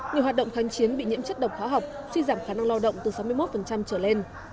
người hoạt động kháng chiến bị nhiễm chất độc hóa học suy giảm khả năng lao động từ sáu mươi một trở lên